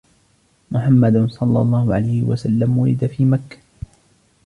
محمد صلى الله عليه وسلم ولد في مكة